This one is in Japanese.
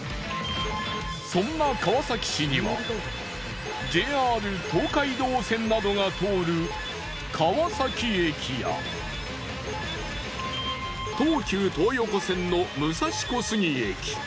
そんな川崎市にはＪＲ東海道線などが通る川崎駅や東急東横線の武蔵小杉駅。